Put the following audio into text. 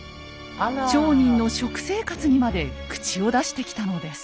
町人の食生活にまで口を出してきたのです。